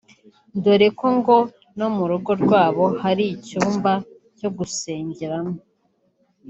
dore ko ngo no mu rugo rwabo hari icyumba cyo gusengeramo